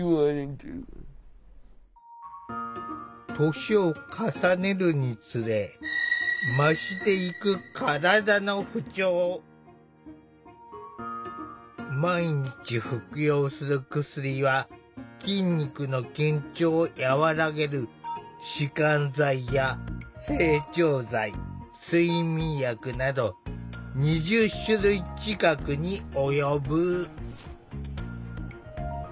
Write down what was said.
年を重ねるにつれ増していく毎日服用する薬は筋肉の緊張を和らげる弛緩剤や整腸剤睡眠薬など２０種類近くに及ぶ。